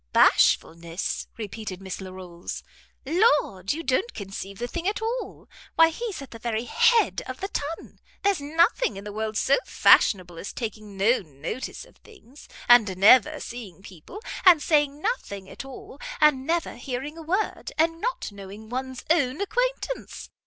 "Bashfulness," repeated Miss Larolles; "Lord, you don't conceive the thing at all. Why he's at the very head of the ton. There's nothing in the world so fashionable as taking no notice of things, and never seeing people, and saying nothing at all, and never hearing a word, and not knowing one's own acquaintance.